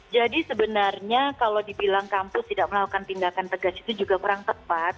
jadi sebenarnya kalau dibilang kampus tidak melakukan tindakan tegas itu juga kurang tepat